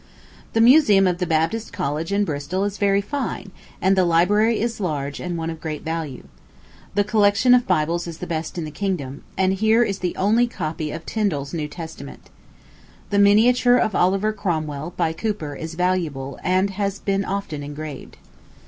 The museum of the Baptist College in Bristol is very fine, and the library is large and one of great value. The collection of Bibles is the best in the kingdom, and here is the only copy of Tindal's New Testament. The miniature of Oliver Cromwell, by Cooper, is valuable, and has been often engraved.